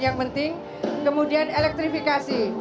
yang penting kemudian elektrifikasi